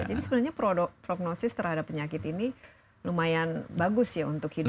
jadi sebenarnya prognosis terhadap penyakit ini lumayan bagus ya untuk hidup ya